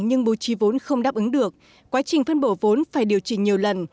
nhưng bố trí vốn không đáp ứng được quá trình phân bổ vốn phải điều chỉnh nhiều lần